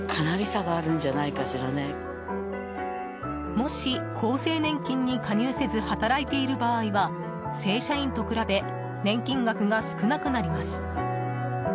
もし厚生年金に加入せず働いている場合は正社員と比べ年金額が少なくなります。